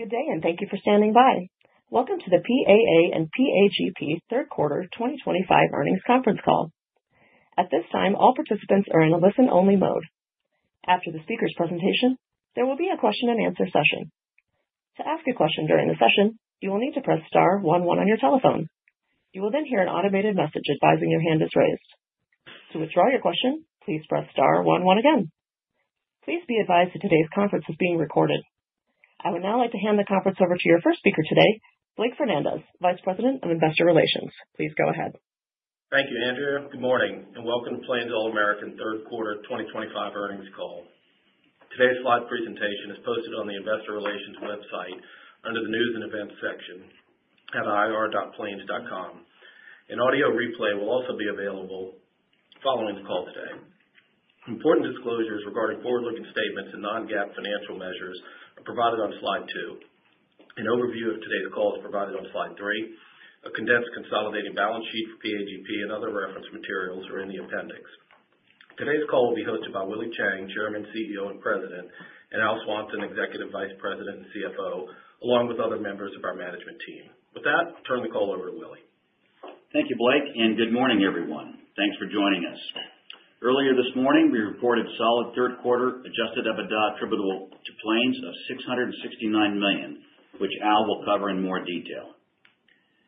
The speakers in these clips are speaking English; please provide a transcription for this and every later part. Good day, and thank you for standing by. Welcome to the PAA and PAGP Third Quarter 2025 earnings conference call. At this time, all participants are in a listen-only mode. After the speaker's presentation, there will be a question-and-answer session. To ask a question during the session, you will need to press star 11 on your telephone. You will then hear an automated message advising your hand is raised. To withdraw your question, please press star 11 again. Please be advised that today's conference is being recorded. I would now like to hand the conference over to your first speaker today, Blake Fernandez, Vice President of Investor Relations. Please go ahead. Thank you, Andrea. Good morning, and welcome to Plains All American Third Quarter 2025 earnings call. Today's slide presentation is posted on the Investor Relations website under the News and Events section at ir.plains.com. An audio replay will also be available following the call today. Important disclosures regarding forward-looking statements and non-GAAP financial measures are provided on slide two. An overview of today's call is provided on slide three. A condensed consolidating balance sheet for PAGP and other reference materials are in the appendix. Today's call will be hosted by Willie Chiang, Chairman, CEO, and President, and Al Swanson, Executive Vice President and CFO, along with other members of our management team. With that, I turn the call over to Willie. Thank you, Blake, and good morning, everyone. Thanks for joining us. Earlier this morning, we reported solid third quarter Adjusted EBITDA attributable to Plains of $669 million, which Al will cover in more detail.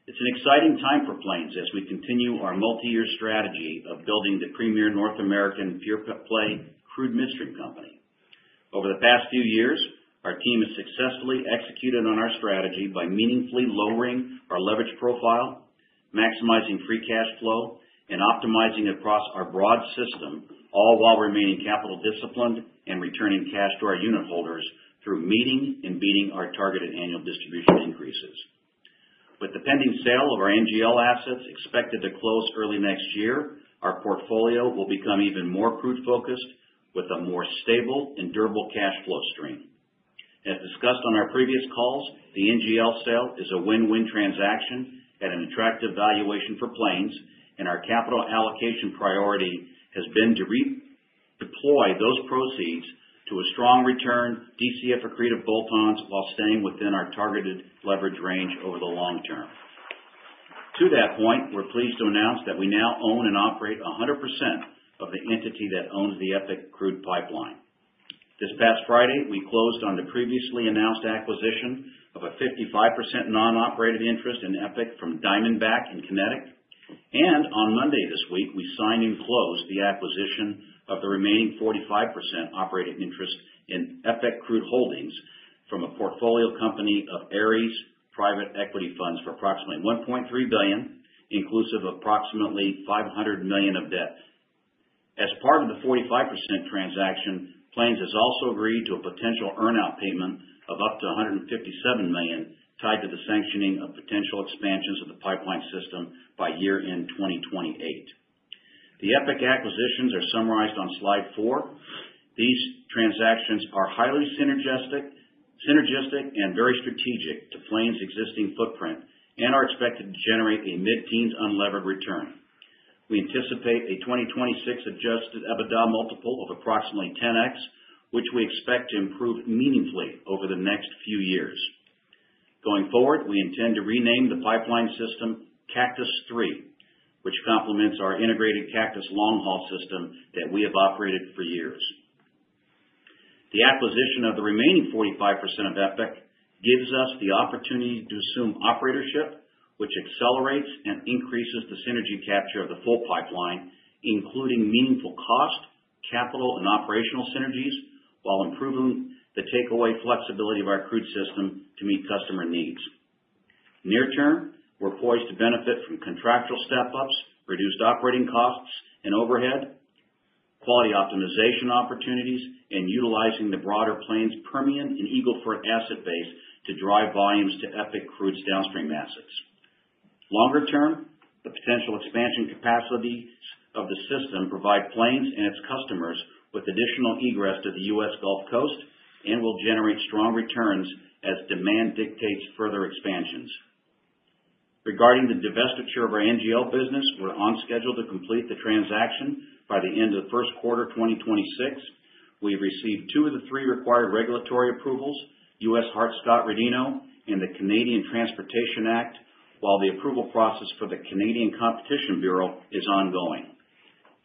It's an exciting time for Plains as we continue our multi-year strategy of building the premier North American pure-play crude midstream company. Over the past few years, our team has successfully executed on our strategy by meaningfully lowering our leverage profile, maximizing free cash flow, and optimizing across our broad system, all while remaining capital disciplined and returning cash to our unit holders through meeting and beating our targeted annual distribution increases. With the pending sale of our NGL assets expected to close early next year, our portfolio will become even more crude-focused with a more stable and durable cash flow stream. As discussed on our previous calls, the NGL sale is a win-win transaction at an attractive valuation for Plains, and our capital allocation priority has been to deploy those proceeds to a strong return DCF accretive bolt-ons while staying within our targeted leverage range over the long term. To that point, we're pleased to announce that we now own and operate 100% of the entity that owns the EPIC crude pipeline. This past Friday, we closed on the previously announced acquisition of a 55% non-operated interest in EPIC from Diamondback and Kinetik, and on Monday this week, we signed and closed the acquisition of the remaining 45% operating interest in EPIC Crude Holdings from a portfolio company of Ares private equity funds for approximately $1.3 billion, inclusive of approximately $500 million of debt. As part of the 45% transaction, Plains has also agreed to a potential earnout payment of up to $157 million tied to the sanctioning of potential expansions of the pipeline system by year-end 2028. The EPIC acquisitions are summarized on slide four. These transactions are highly synergistic and very strategic to Plains' existing footprint and are expected to generate a mid-teens unlevered return. We anticipate a 2026 Adjusted EBITDA multiple of approximately 10x, which we expect to improve meaningfully over the next few years. Going forward, we intend to rename the pipeline system Cactus III, which complements our integrated Cactus long-haul system that we have operated for years. The acquisition of the remaining 45% of EPIC gives us the opportunity to assume operatorship, which accelerates and increases the synergy capture of the full pipeline, including meaningful cost, capital, and operational synergies, while improving the takeaway flexibility of our crude system to meet customer needs. Near term, we're poised to benefit from contractual step-ups, reduced operating costs and overhead, quality optimization opportunities, and utilizing the broader Plains Permian and Eagle Ford asset base to drive volumes to EPIC Crude's downstream assets. Longer term, the potential expansion capacities of the system provide Plains and its customers with additional egress to the U.S. Gulf Coast and will generate strong returns as demand dictates further expansions. Regarding the divestiture of our NGL business, we're on schedule to complete the transaction by the end of the first quarter of 2026. We've received two of the three required regulatory approvals: U.S. Hart-Scott-Rodino and the Canadian Transportation Act, while the approval process for the Canadian Competition Bureau is ongoing.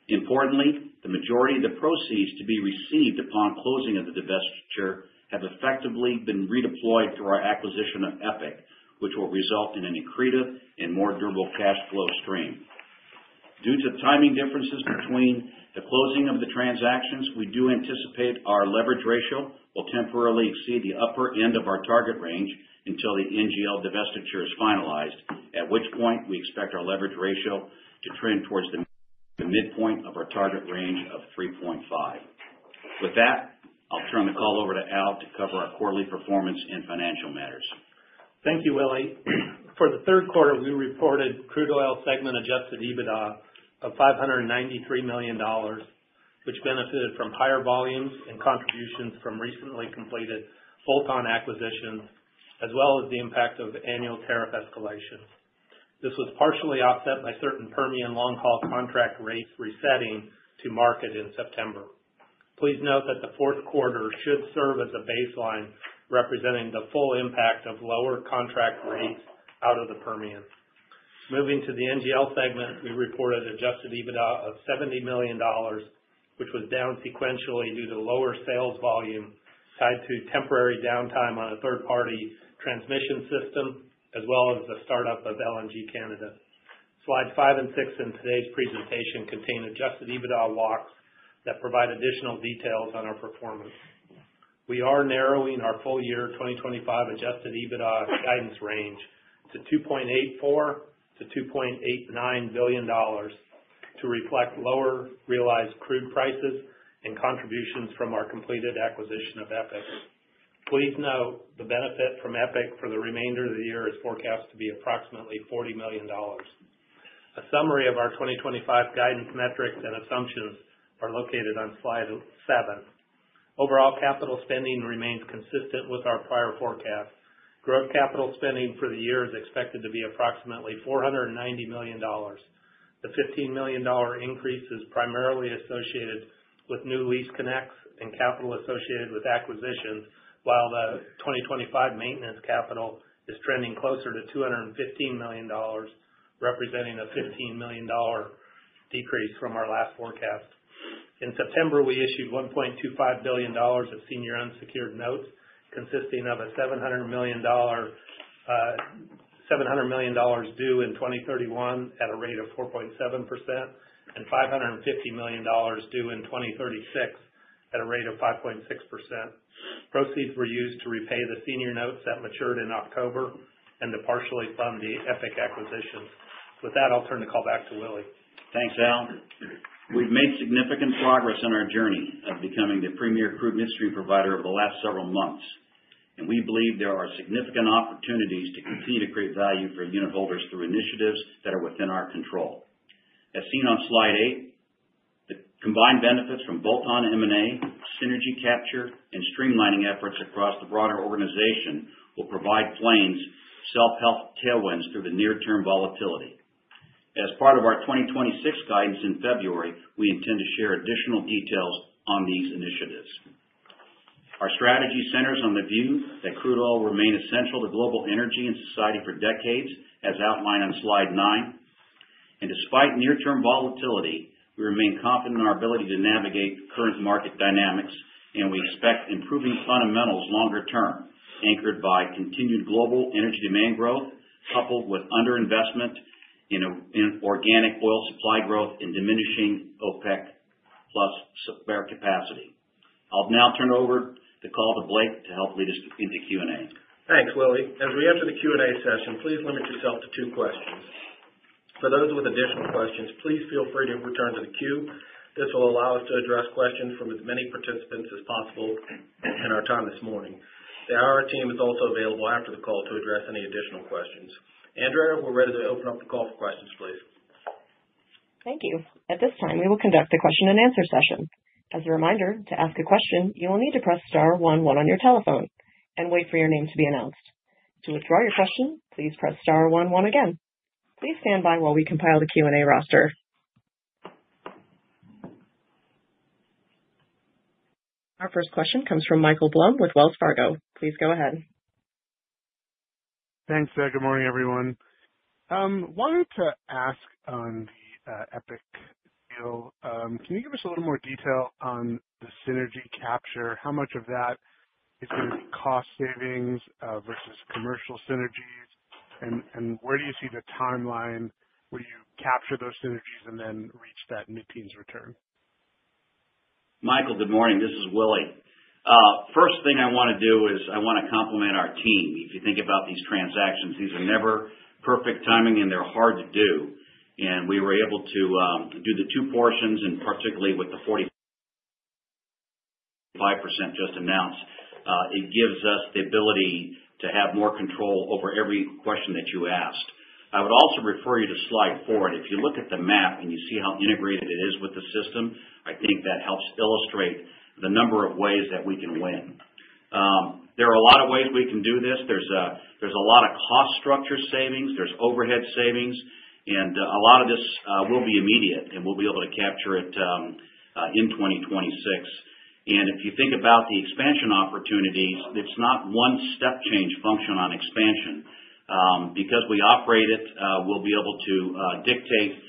Importantly, the majority of the proceeds to be received upon closing of the divestiture have effectively been redeployed through our acquisition of EPIC, which will result in an accretive and more durable cash flow stream. Due to timing differences between the closing of the transactions, we do anticipate our leverage ratio will temporarily exceed the upper end of our target range until the NGL divestiture is finalized, at which point we expect our leverage ratio to trend towards the midpoint of our target range of 3.5. With that, I'll turn the call over to Al to cover our quarterly performance and financial matters. Thank you, Willie. For the third quarter, we reported crude oil segment Adjusted EBITDA of $593 million, which benefited from higher volumes and contributions from recently completed bolt-on acquisitions, as well as the impact of annual tariff escalation. This was partially offset by certain Permian long-haul contract rates resetting to market in September. Please note that the fourth quarter should serve as a baseline representing the full impact of lower contract rates out of the Permian. Moving to the NGL segment, we reported Adjusted EBITDA of $70 million, which was down sequentially due to lower sales volume tied to temporary downtime on a third-party transmission system, as well as the startup of LNG Canada. Slides five and six in today's presentation contain Adjusted EBITDA walks that provide additional details on our performance. We are narrowing our full-year 2025 Adjusted EBITDA guidance range to $2.84-$2.89 billion to reflect lower realized crude prices and contributions from our completed acquisition of EPIC. Please note the benefit from EPIC for the remainder of the year is forecast to be approximately $40 million. A summary of our 2025 guidance metrics and assumptions is located on slide seven. Overall capital spending remains consistent with our prior forecast. Gross capital spending for the year is expected to be approximately $490 million. The $15 million increase is primarily associated with new lease connects and capital associated with acquisitions, while the 2025 maintenance capital is trending closer to $215 million, representing a $15 million decrease from our last forecast. In September, we issued $1.25 billion of senior unsecured notes consisting of a $700 million due in 2031 at a rate of 4.7% and $550 million due in 2036 at a rate of 5.6%. Proceeds were used to repay the senior notes that matured in October and to partially fund the EPIC acquisitions. With that, I'll turn the call back to Willie. Thanks, Al. We've made significant progress in our journey of becoming the premier crude midstream provider over the last several months, and we believe there are significant opportunities to continue to create value for unit holders through initiatives that are within our control. As seen on slide eight, the combined benefits from bolt-on M&A, synergy capture, and streamlining efforts across the broader organization will provide Plains self-help tailwinds through the near-term volatility. As part of our 2026 guidance in February, we intend to share additional details on these initiatives. Our strategy centers on the view that crude oil will remain essential to global energy and society for decades, as outlined on slide nine. And despite near-term volatility, we remain confident in our ability to navigate current market dynamics, and we expect improving fundamentals longer term, anchored by continued global energy demand growth, coupled with underinvestment in organic oil supply growth and diminishing OPEC+ spare capacity. I'll now turn over the call to Blake to help lead us into Q&A. Thanks, Willie. As we enter the Q&A session, please limit yourself to two questions. For those with additional questions, please feel free to return to the queue. This will allow us to address questions from as many participants as possible in our time this morning. The IR team is also available after the call to address any additional questions. Andrea, we're ready to open up the call for questions, please. Thank you. At this time, we will conduct the question-and-answer session. As a reminder, to ask a question, you will need to press star 11 on your telephone and wait for your name to be announced. To withdraw your question, please press star 11 again. Please stand by while we compile the Q&A roster. Our first question comes from Michael Blum with Wells Fargo. Please go ahead. Thanks, Doug. Good morning, everyone. Wanted to ask on the EPIC deal. Can you give us a little more detail on the synergy capture? How much of that is going to be cost savings versus commercial synergies? And where do you see the timeline where you capture those synergies and then reach that mid-teens return? Michael, good morning. This is Willie. First thing I want to do is compliment our team. If you think about these transactions, these are never perfect timing, and they're hard to do, and we were able to do the two portions, and particularly with the 45% just announced, it gives us the ability to have more control over every question that you asked. I would also refer you to slide four. If you look at the map and you see how integrated it is with the system, I think that helps illustrate the number of ways that we can win. There are a lot of ways we can do this. There's a lot of cost structure savings. There's overhead savings, and a lot of this will be immediate, and we'll be able to capture it in 2026. And if you think about the expansion opportunities, it's not one step change function on expansion. Because we operate it, we'll be able to dictate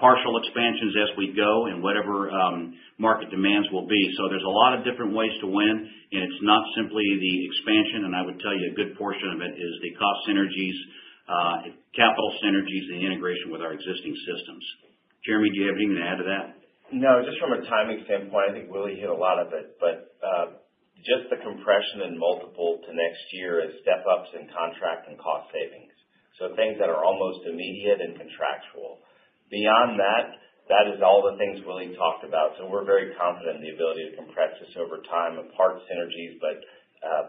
partial expansions as we go and whatever market demands will be. So there's a lot of different ways to win, and it's not simply the expansion. And I would tell you a good portion of it is the cost synergies, capital synergies, and integration with our existing systems. Jeremy, do you have anything to add to that? No, just from a timing standpoint, I think Willie hit a lot of it. But just the compression and multiple to next year is step-ups in contract and cost savings. So things that are almost immediate and contractual. Beyond that, that is all the things Willie talked about. So we're very confident in the ability to compress this over time and part synergies, but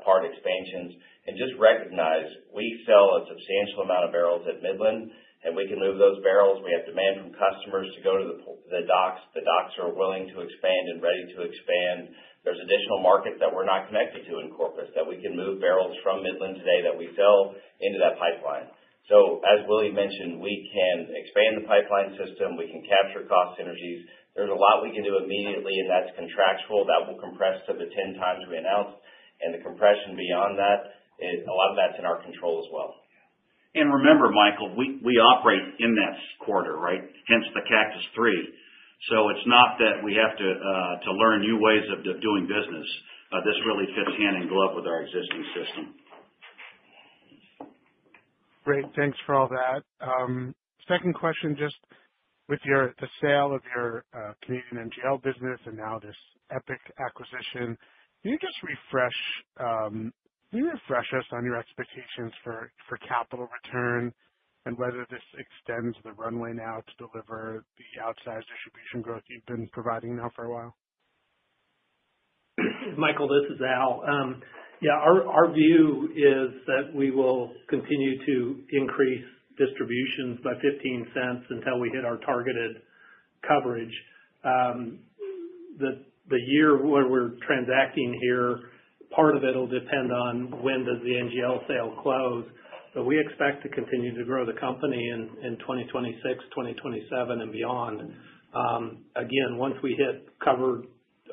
part expansions. And just recognize we sell a substantial amount of barrels at Midland, and we can move those barrels. We have demand from customers to go to the docks. The docks are willing to expand and ready to expand. There's additional markets that we're not connected to in Corpus that we can move barrels from Midland today that we sell into that pipeline. So as Willie mentioned, we can expand the pipeline system. We can capture cost synergies. There's a lot we can do immediately, and that's contractual. That will compress to the 10 times we announced. And the compression beyond that, a lot of that's in our control as well. Remember, Michael, we operate in this quarter, right? Hence the Cactus III. So it's not that we have to learn new ways of doing business. This really fits hand in glove with our existing system. Great. Thanks for all that. Second question, just with the sale of your Canadian NGL business and now this EPIC acquisition, can you just refresh us on your expectations for capital return and whether this extends the runway now to deliver the outsized distribution growth you've been providing now for a while? Michael, this is Al. Yeah, our view is that we will continue to increase distributions by $0.15 until we hit our targeted coverage. The year where we're transacting here, part of it will depend on when does the NGL sale close. But we expect to continue to grow the company in 2026, 2027, and beyond. Again, once we hit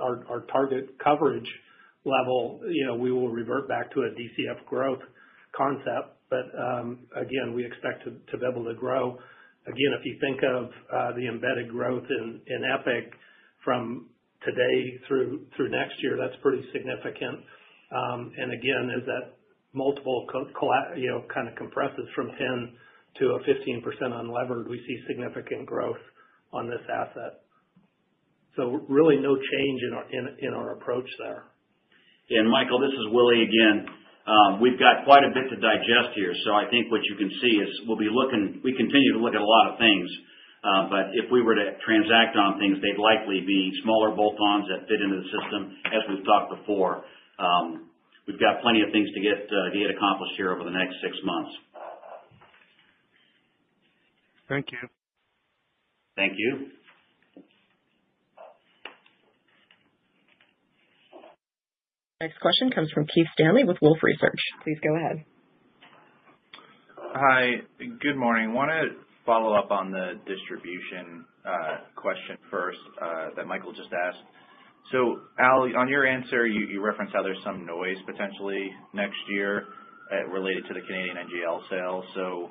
our target coverage level, we will revert back to a DCF growth concept. But again, we expect to be able to grow. Again, if you think of the embedded growth in EPIC from today through next year, that's pretty significant. And again, as that multiple kind of compresses from 10 to a 15% unlevered, we see significant growth on this asset. So really no change in our approach there. And Michael, this is Willie again. We've got quite a bit to digest here. So I think what you can see is we'll be looking, we continue to look at a lot of things. But if we were to transact on things, they'd likely be smaller bolt-ons that fit into the system as we've talked before. We've got plenty of things to get accomplished here over the next six months. Thank you. Thank you. Next question comes from Keith Stanley with Wolfe Research. Please go ahead. Hi. Good morning. I want to follow up on the distribution question first that Michael just asked. So Al, on your answer, you referenced how there's some noise potentially next year related to the Canadian NGL sale. So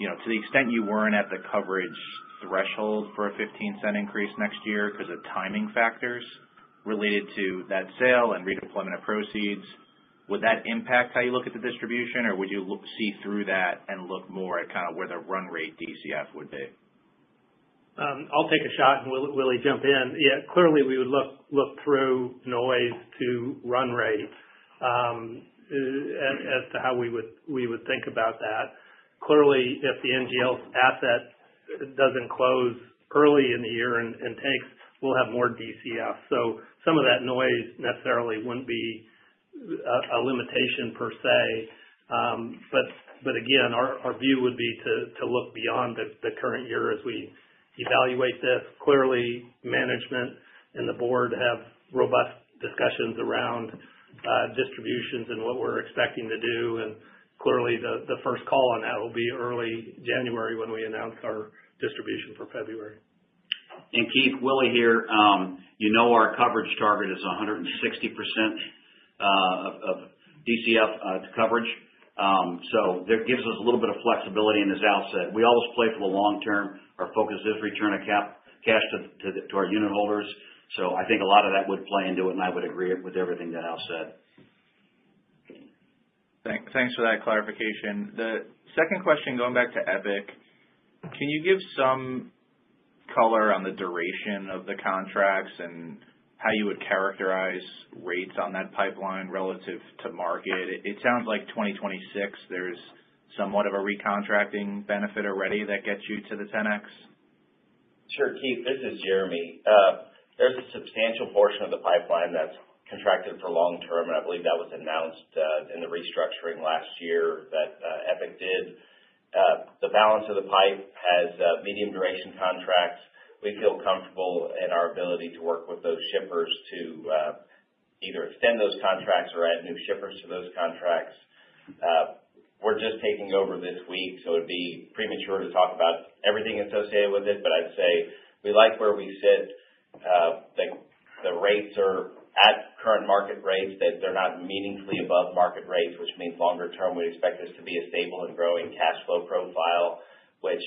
to the extent you weren't at the coverage threshold for a $0.15 increase next year because of timing factors related to that sale and redeployment of proceeds, would that impact how you look at the distribution, or would you see through that and look more at kind of where the run rate DCF would be? I'll take a shot, and Willie, jump in. Yeah, clearly we would look through noise to run rate as to how we would think about that. Clearly, if the NGL asset doesn't close early in the year and takes, we'll have more DCF. So some of that noise necessarily wouldn't be a limitation per se. But again, our view would be to look beyond the current year as we evaluate this. Clearly, management and the board have robust discussions around distributions and what we're expecting to do. And clearly, the first call on that will be early January when we announce our distribution for February. Keith, Willie here. You know our coverage target is 160% of DCF coverage. So that gives us a little bit of flexibility in this outset. We always play for the long term. Our focus is return of cash to our unit holders. So I think a lot of that would play into it, and I would agree with everything that Al said. Thanks for that clarification. The second question, going back to EPIC, can you give some color on the duration of the contracts and how you would characterize rates on that pipeline relative to market? It sounds like 2026, there's somewhat of a recontracting benefit already that gets you to the 10X. Sure, Keith. This is Jeremy. There's a substantial portion of the pipeline that's contracted for long term, and I believe that was announced in the restructuring last year that EPIC did. The balance of the pipe has medium-duration contracts. We feel comfortable in our ability to work with those shippers to either extend those contracts or add new shippers to those contracts. We're just taking over this week, so it'd be premature to talk about everything associated with it. But I'd say we like where we sit. The rates are at current market rates. They're not meaningfully above market rates, which means longer term, we expect this to be a stable and growing cash flow profile, which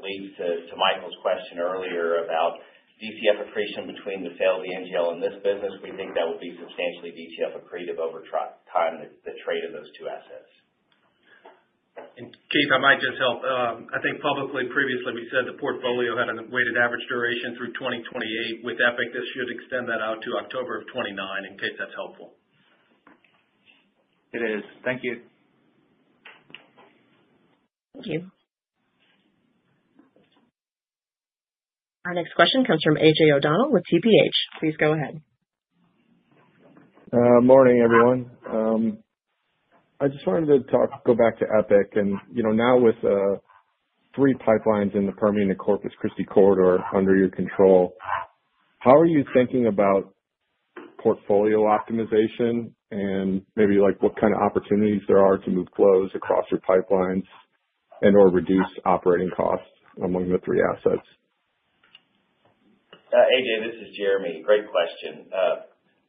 leads to Michael's question earlier about DCF accretion between the sale of the NGL and this business. We think that will be substantially DCF accretive over time to trade in those two assets. Keith, I might just help. I think publicly previously we said the portfolio had a weighted average duration through 2028. With EPIC, this should extend that out to October of 2029 in case that's helpful. It is. Thank you. Thank you. Our next question comes from A.J. O'Donnell with TPH. Please go ahead. Morning, everyone. I just wanted to go back to EPIC, and now with three pipelines in the Permian to Corpus Christi corridor under your control, how are you thinking about portfolio optimization and maybe what kind of opportunities there are to move flows across your pipelines and/or reduce operating costs among the three assets? A.J., this is Jeremy. Great question.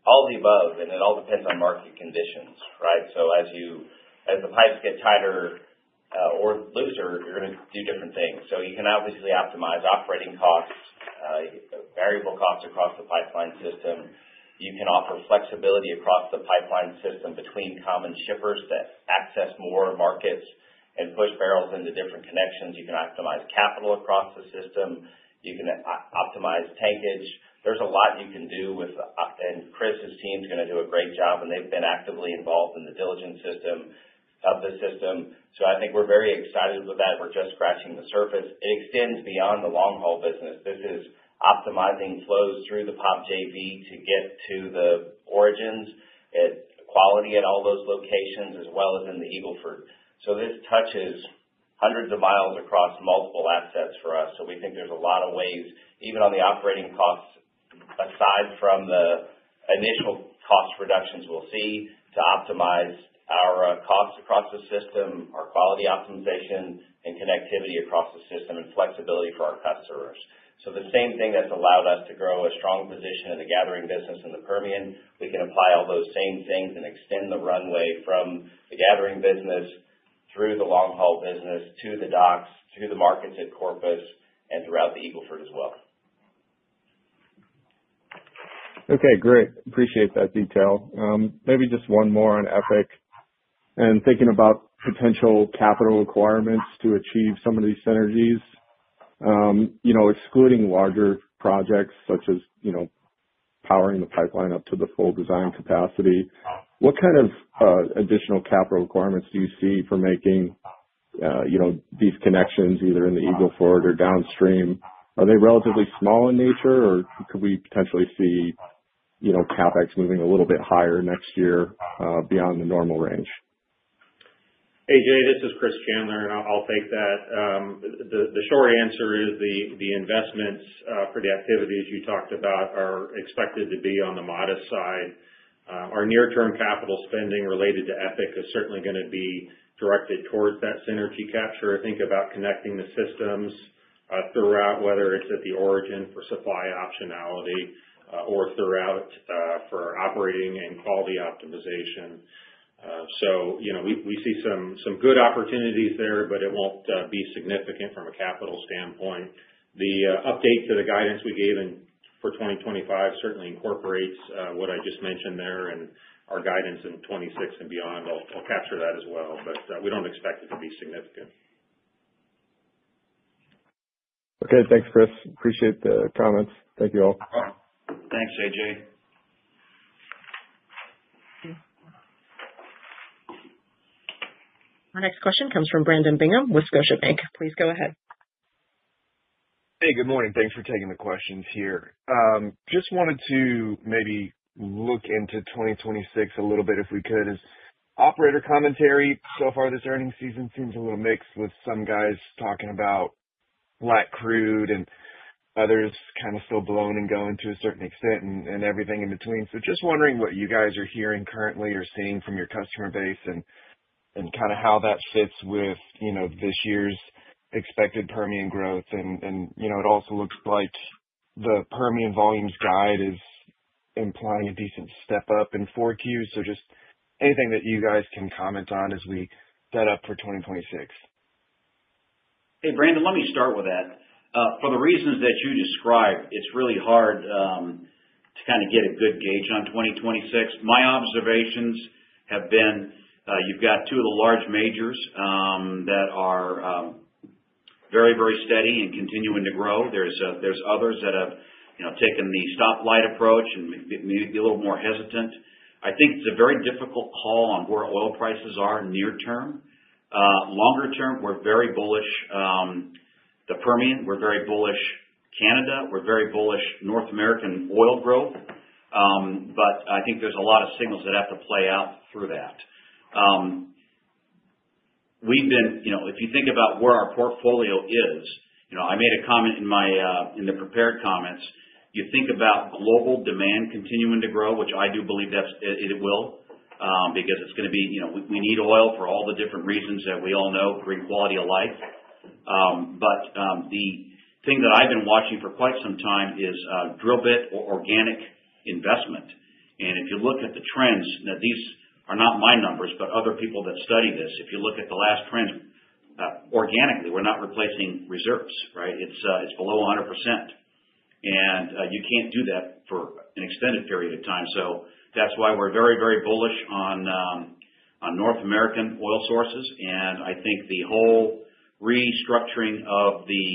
All of the above, and it all depends on market conditions, right? So as the pipes get tighter or looser, you're going to do different things. So you can obviously optimize operating costs, variable costs across the pipeline system. You can offer flexibility across the pipeline system between common shippers that access more markets and push barrels into different connections. You can optimize capital across the system. You can optimize tankage. There's a lot you can do with, and Chris's team is going to do a great job, and they've been actively involved in the diligence on the system. So I think we're very excited with that. We're just scratching the surface. It extends beyond the long-haul business. This is optimizing flows through the POP JV to get to the origins at quality at all those locations as well as in the Eagle Ford. So this touches hundreds of miles across multiple assets for us. So we think there's a lot of ways, even on the operating costs, aside from the initial cost reductions we'll see, to optimize our costs across the system, our quality optimization, and connectivity across the system, and flexibility for our customers. So the same thing that's allowed us to grow a strong position in the gathering business in the Permian, we can apply all those same things and extend the runway from the gathering business through the long-haul business to the docks, through the markets at Corpus, and throughout the Eagle Ford as well. Okay, great. Appreciate that detail. Maybe just one more on EPIC, and thinking about potential capital requirements to achieve some of these synergies, excluding larger projects such as powering the pipeline up to the full design capacity, what kind of additional capital requirements do you see for making these connections either in the Eagle Ford or downstream? Are they relatively small in nature, or could we potentially see CapEx moving a little bit higher next year beyond the normal range? A.J., this is Chris Chandler, and I'll take that. The short answer is the investments for the activities you talked about are expected to be on the modest side. Our near-term capital spending related to EPIC is certainly going to be directed towards that synergy capture. Think about connecting the systems throughout, whether it's at the origin for supply optionality or throughout for operating and quality optimization. So we see some good opportunities there, but it won't be significant from a capital standpoint. The update to the guidance we gave for 2025 certainly incorporates what I just mentioned there and our guidance in 2026 and beyond. I'll capture that as well. But we don't expect it to be significant. Okay, thanks, Chris. Appreciate the comments. Thank you all. Thanks, A.J.. Our next question comes from Brandon Bingham with Scotiabank. Please go ahead. Hey, good morning. Thanks for taking the questions here. Just wanted to maybe look into 2026 a little bit if we could. Operator commentary so far this earnings season seems a little mixed with some guys talking about flat crude and others kind of still blowing and going to a certain extent and everything in between. So just wondering what you guys are hearing currently or seeing from your customer base and kind of how that fits with this year's expected Permian growth. And it also looks like the Permian volumes guide is implying a decent step up in 4Q's. So just anything that you guys can comment on as we set up for 2026. Hey, Brandon, let me start with that. For the reasons that you described, it's really hard to kind of get a good gauge on 2026. My observations have been you've got two of the large majors that are very, very steady and continuing to grow. There's others that have taken the stoplight approach and maybe be a little more hesitant. I think it's a very difficult call on where oil prices are near term. Longer term, we're very bullish. The Permian, we're very bullish. Canada, we're very bullish. North American oil growth. But I think there's a lot of signals that have to play out through that. If you think about where our portfolio is, I made a comment in the prepared comments. You think about global demand continuing to grow, which I do believe it will because it's going to be we need oil for all the different reasons that we all know, great quality of life. But the thing that I've been watching for quite some time is drill bit, or organic investment. And if you look at the trends, now these are not my numbers, but other people that study this, if you look at the latest trends, organically, we're not replacing reserves, right? It's below 100%. And you can't do that for an extended period of time. So that's why we're very, very bullish on North American oil sources. And I think the whole restructuring of the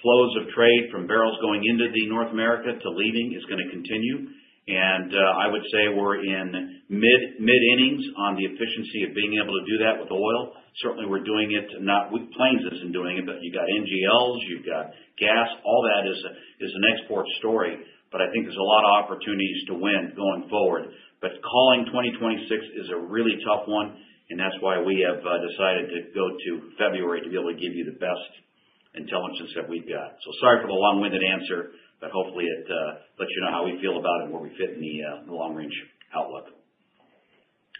flows of trade from barrels going into North America to leaving is going to continue. And I would say we're in mid-innings on the efficiency of being able to do that with oil. Certainly, we're doing it. Plains isn't doing it, but you've got NGLs, you've got gas. All that is an export story. But I think there's a lot of opportunities to win going forward. But calling 2026 is a really tough one. And that's why we have decided to go to February to be able to give you the best intelligence that we've got. So sorry for the long-winded answer, but hopefully it lets you know how we feel about it and where we fit in the long-range outlook.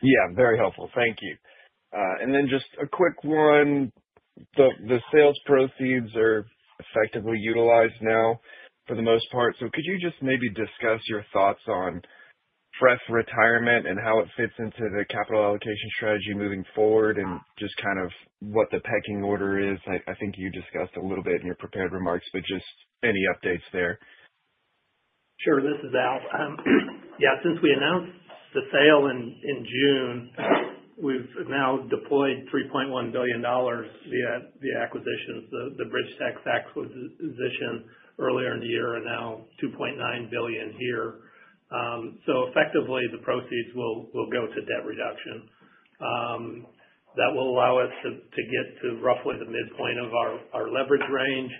Yeah, very helpful. Thank you. And then just a quick one. The sales proceeds are effectively utilized now for the most part. So could you just maybe discuss your thoughts on FRED retirement and how it fits into the capital allocation strategy moving forward and just kind of what the pecking order is? I think you discussed a little bit in your prepared remarks, but just any updates there. Sure. This is Al. Yeah, since we announced the sale in June, we've now deployed $3.1 billion via acquisitions. The BridgeTex acquisition earlier in the year are now $2.9 billion here. So effectively, the proceeds will go to debt reduction. That will allow us to get to roughly the midpoint of our leverage range,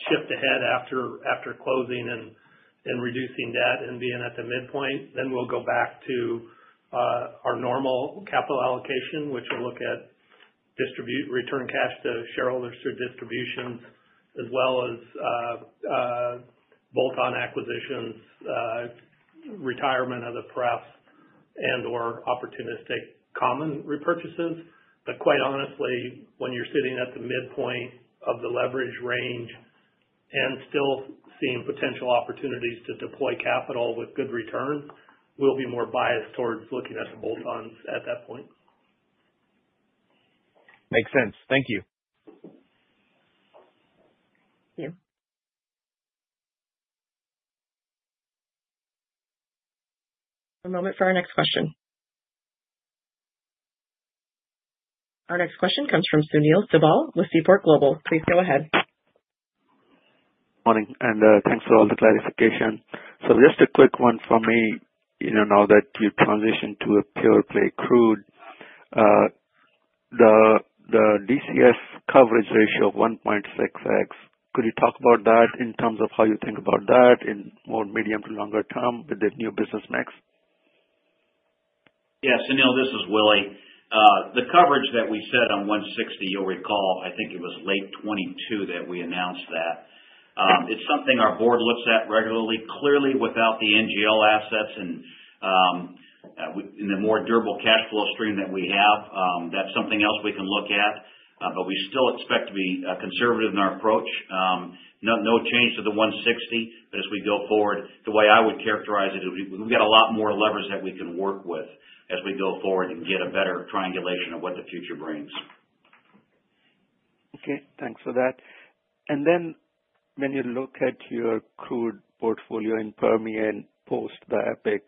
shift ahead after closing and reducing debt and being at the midpoint. Then we'll go back to our normal capital allocation, which will look at return cash to shareholders through distributions, as well as bolt-on acquisitions, retirement of the prefs, and/or opportunistic common repurchases. But quite honestly, when you're sitting at the midpoint of the leverage range and still seeing potential opportunities to deploy capital with good return, we'll be more biased towards looking at the bolt-ons at that point. Makes sense. Thank you. Thank you. A moment for our next question. Our next question comes from Sunil Sibal with Seaport Global. Please go ahead. Morning, and thanks for all the clarification. So just a quick one from me. Now that you transitioned to a pure play crude, the DCF coverage ratio of 1.6X, could you talk about that in terms of how you think about that in more medium- to longer-term with the new business mix? Yeah, Sunil, this is Willie. The coverage that we set on 160, you'll recall, I think it was late 2022 that we announced that. It's something our board looks at regularly. Clearly, without the NGL assets and the more durable cash flow stream that we have, that's something else we can look at. But we still expect to be conservative in our approach. No change to the 160, but as we go forward, the way I would characterize it, we've got a lot more levers that we can work with as we go forward and get a better triangulation of what the future brings. Okay, thanks for that. And then when you look at your crude portfolio in Permian post the EPIC,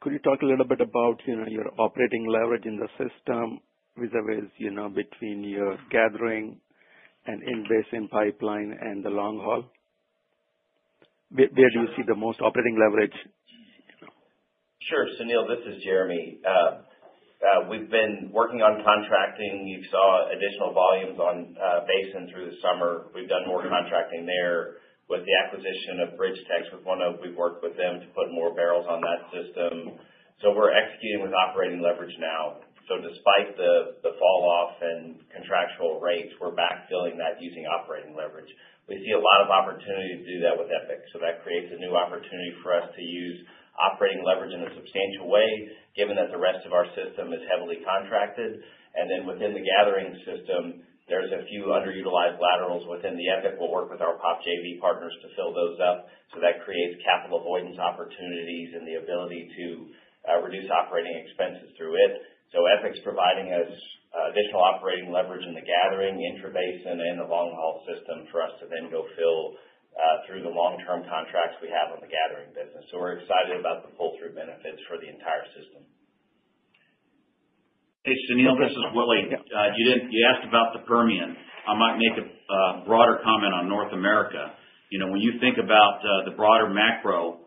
could you talk a little bit about your operating leverage in the system with the interplay between your gathering and in-basin pipeline and the long haul? Where do you see the most operating leverage? Sure. Sunil, this is Jeremy. We've been working on contracting. You saw additional volumes on basin through the summer. We've done more contracting there with the acquisition of BridgeTex, with one of we've worked with them to put more barrels on that system, so we're executing with operating leverage now. Despite the falloff in contractual rates, we're backfilling that using operating leverage. We see a lot of opportunity to do that with EPIC, so that creates a new opportunity for us to use operating leverage in a substantial way, given that the rest of our system is heavily contracted. Within the gathering system, there's a few underutilized laterals within the EPIC. We'll work with our POP JV partners to fill those up, so that creates capital avoidance opportunities and the ability to reduce operating expenses through it. So EPIC's providing us additional operating leverage in the gathering, intra-basin, and the long-haul system for us to then go fill through the long-term contracts we have on the gathering business. So we're excited about the flow-through benefits for the entire system. Hey, Sunil, this is Willie. You asked about the Permian. I might make a broader comment on North America. When you think about the broader macro,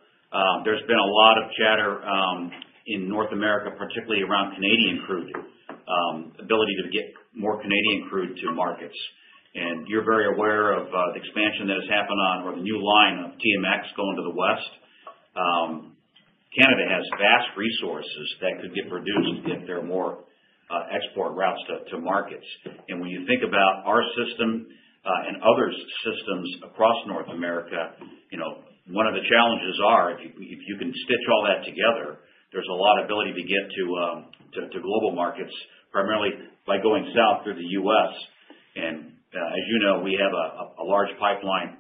there's been a lot of chatter in North America, particularly around Canadian crude, ability to get more Canadian crude to markets. And you're very aware of the expansion that has happened on or the new line of TMX going to the west. Canada has vast resources that could get produced if there are more export routes to markets. And when you think about our system and others' systems across North America, one of the challenges is if you can stitch all that together, there's a lot of ability to get to global markets, primarily by going south through the U.S. And as you know, we have a large pipeline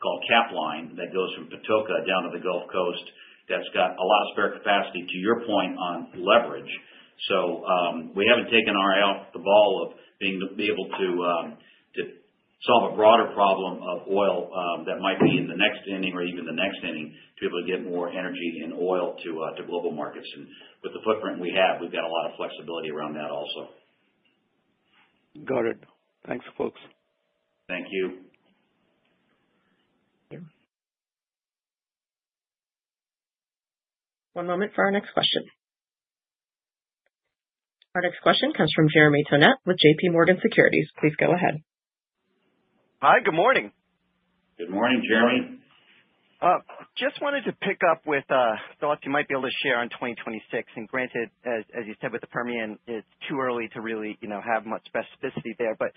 called Capline that goes from Patoka down to the Gulf Coast that's got a lot of spare capacity, to your point, on leverage. So we haven't taken our eye off the ball of being able to solve a broader problem of oil that might be in the next inning or even the next inning to be able to get more energy and oil to global markets. And with the footprint we have, we've got a lot of flexibility around that also. Got it. Thanks, folks. Thank you. One moment for our next question. Our next question comes from Jeremy Tonet with JPMorgan Securities. Please go ahead. Hi, good morning. Good morning, Jeremy. Just wanted to pick up with thoughts you might be able to share on 2026, and granted, as you said with the Permian, it's too early to really have much specificity there, but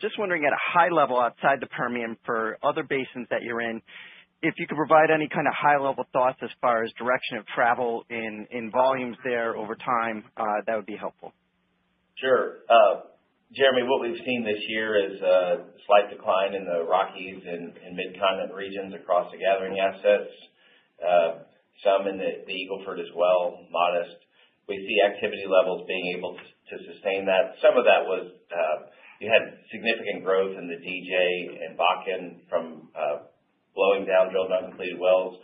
just wondering at a high level outside the Permian for other basins that you're in, if you could provide any kind of high-level thoughts as far as direction of travel in volumes there over time, that would be helpful. Sure. Jeremy, what we've seen this year is a slight decline in the Rockies and Mid-Continent regions across the gathering assets, some in the Eagle Ford as well, modest. We see activity levels being able to sustain that. Some of that was you had significant growth in the DJ and Bakken from blowing down drilled uncompleted wells.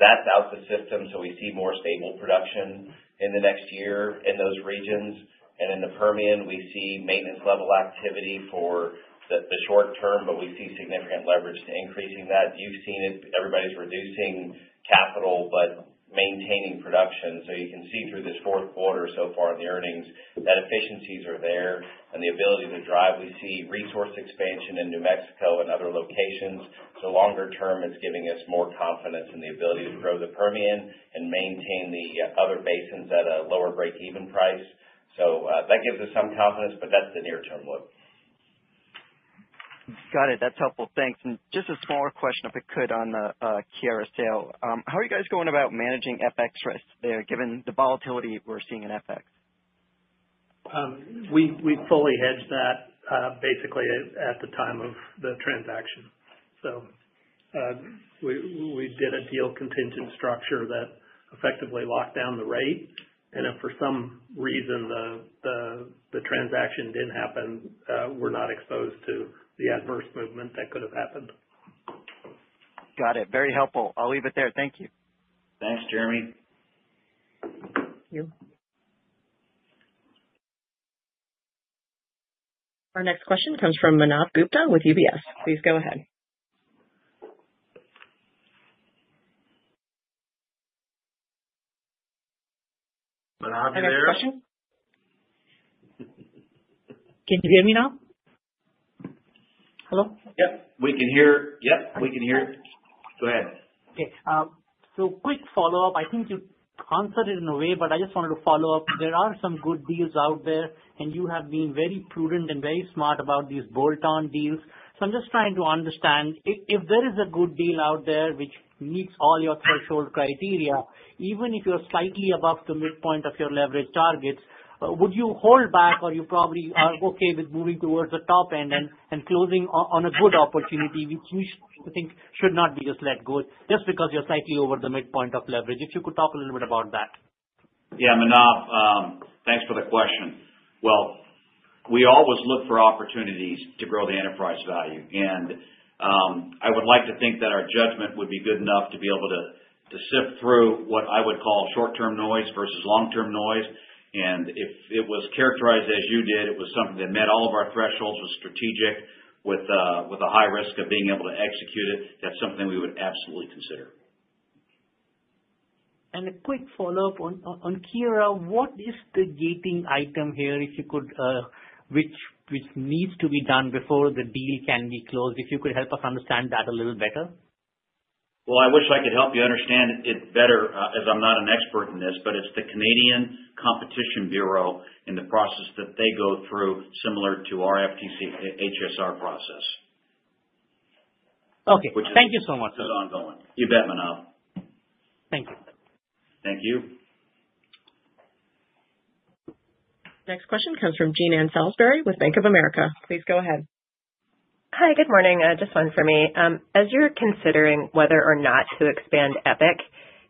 That's out of the system. So we see more stable production in the next year in those regions. And in the Permian, we see maintenance-level activity for the short term, but we see significant leverage to increasing that. You've seen it. Everybody's reducing capital but maintaining production. So you can see through this fourth quarter so far in the earnings that efficiencies are there and the ability to drive. We see resource expansion in New Mexico and other locations. So longer term, it's giving us more confidence in the ability to grow the Permian and maintain the other basins at a lower break-even price. So that gives us some confidence, but that's the near-term look. Got it. That's helpful. Thanks. And just a smaller question, if I could, on the Kinetik sale. How are you guys going about managing FX risk there, given the volatility we're seeing in FX? We fully hedged that basically at the time of the transaction, so we did a deal contingent structure that effectively locked down the rate, and if for some reason the transaction didn't happen, we're not exposed to the adverse movement that could have happened. Got it. Very helpful. I'll leave it there. Thank you. Thanks, Jeremy. Thank you. Our next question comes from Manav Gupta with UBS. Please go ahead. Manav, you there? Can you hear me now? Hello? Yep. We can hear. Yep, we can hear. Go ahead. Okay. So quick follow-up. I think you answered it in a way, but I just wanted to follow up. There are some good deals out there, and you have been very prudent and very smart about these bolt-on deals. So I'm just trying to understand if there is a good deal out there which meets all your threshold criteria, even if you're slightly above the midpoint of your leverage targets, would you hold back or you probably are okay with moving towards the top end and closing on a good opportunity, which you think should not be just let go just because you're slightly over the midpoint of leverage? If you could talk a little bit about that. Yeah, Manav, thanks for the question. Well, we always look for opportunities to grow the enterprise value. And I would like to think that our judgment would be good enough to be able to sift through what I would call short-term noise versus long-term noise. And if it was characterized as you did, it was something that met all of our thresholds, was strategic with a high risk of being able to execute it. That's something we would absolutely consider. A quick follow-up on Kinetik. What is the gating item here, if you could, which needs to be done before the deal can be closed? If you could help us understand that a little better. I wish I could help you understand it better as I'm not an expert in this, but it's the Canadian Competition Bureau and the process that they go through similar to our FTC HSR process. Okay. Thank you so much. Which is ongoing. You bet, Manav. Thank you. Thank you. Next question comes from Jean Ann Salisbury with Bank of America. Please go ahead. Hi, good morning. Just one for me. As you're considering whether or not to expand EPIC,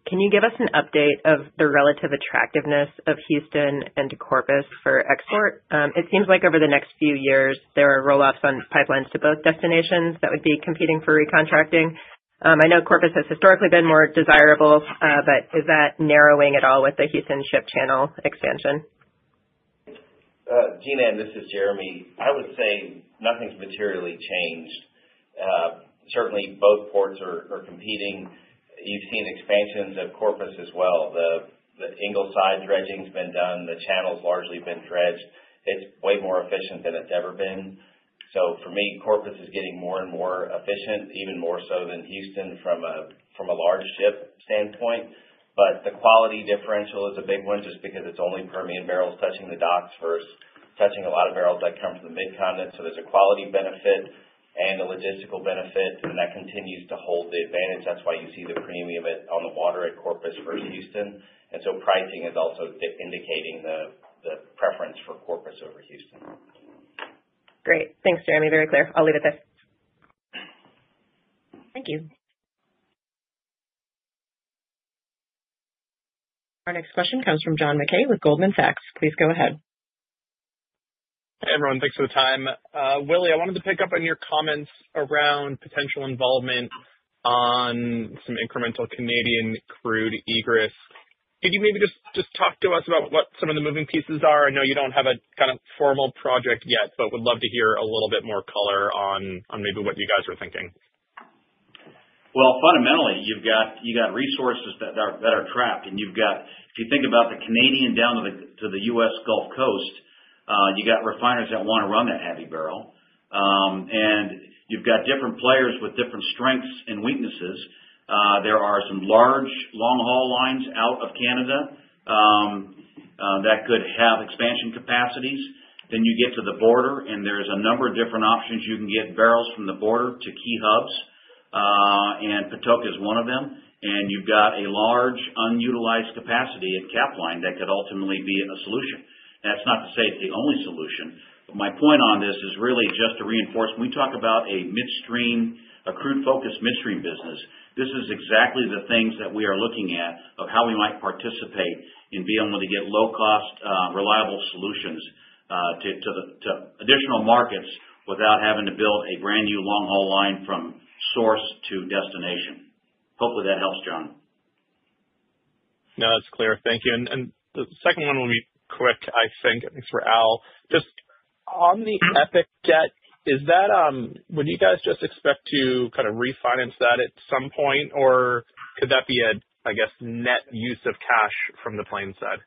can you give us an update of the relative attractiveness of Houston and Corpus for export? It seems like over the next few years, there are rollouts on pipelines to both destinations that would be competing for recontracting. I know Corpus has historically been more desirable, but is that narrowing at all with the Houston Ship Channel expansion? Jean Ann, this is Jeremy. I would say nothing's materially changed. Certainly, both ports are competing. You've seen expansions of Corpus as well. The Ingleside dredging's been done. The channel's largely been dredged. It's way more efficient than it's ever been. So for me, Corpus is getting more and more efficient, even more so than Houston from a large ship standpoint. But the quality differential is a big one just because it's only Permian barrels touching the docks versus touching a lot of barrels that come from the Mid-Continent. So there's a quality benefit and a logistical benefit, and that continues to hold the advantage. That's why you see the premium on the water at Corpus versus Houston. And so pricing is also indicating the preference for Corpus over Houston. Great. Thanks, Jeremy. Very clear. I'll leave it there. Thank you. Our next question comes from John Mackay with Goldman Sachs. Please go ahead. Hey, everyone. Thanks for the time. Willie, I wanted to pick up on your comments around potential involvement on some incremental Canadian crude egress. Could you maybe just talk to us about what some of the moving pieces are? I know you don't have a kind of formal project yet, but would love to hear a little bit more color on maybe what you guys are thinking. Fundamentally, you've got resources that are trapped. If you think about the Canadian down to the U.S. Gulf Coast, you've got refiners that want to run that heavy barrel. You've got different players with different strengths and weaknesses. There are some large long-haul lines out of Canada that could have expansion capacities. You get to the border, and there's a number of different options. You can get barrels from the border to key hubs, and Patoka is one of them. You've got a large unutilized capacity at Capline that could ultimately be a solution. That's not to say it's the only solution. But my point on this is really just to reinforce when we talk about a midstream, a crude-focused midstream business, this is exactly the things that we are looking at of how we might participate in being able to get low-cost, reliable solutions to additional markets without having to build a brand new long-haul line from source to destination. Hopefully, that helps, John. No, that's clear. Thank you. And the second one will be quick, I think. Thanks, Al. Just on the EPIC debt, would you guys just expect to kind of refinance that at some point, or could that be a, I guess, net use of cash from the Plains side?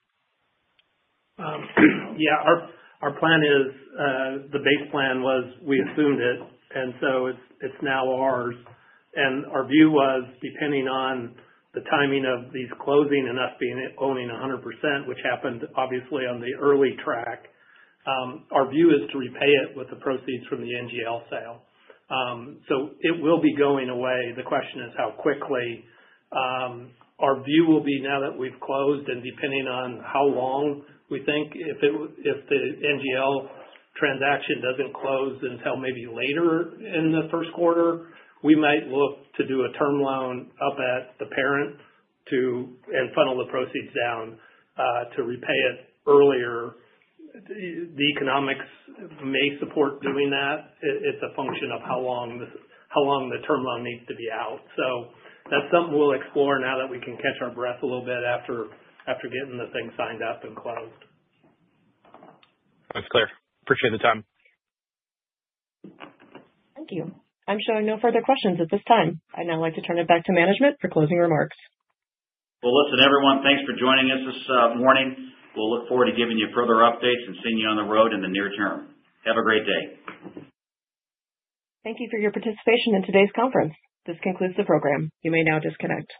Yeah. Our plan is the base plan was we assumed it, and so it's now ours. And our view was, depending on the timing of these closing and us owning 100%, which happened obviously on the early track, our view is to repay it with the proceeds from the NGL sale. So it will be going away. The question is how quickly. Our view will be now that we've closed and depending on how long we think if the NGL transaction doesn't close until maybe later in the first quarter, we might look to do a term loan up at the parent and funnel the proceeds down to repay it earlier. The economics may support doing that. It's a function of how long the term loan needs to be out. So that's something we'll explore now that we can catch our breath a little bit after getting the thing signed up and closed. Sounds clear. Appreciate the time. Thank you. I'm showing no further questions at this time. I'd now like to turn it back to management for closing remarks. Listen, everyone, thanks for joining us this morning. We'll look forward to giving you further updates and seeing you on the road in the near term. Have a great day. Thank you for your participation in today's conference. This concludes the program. You may now disconnect.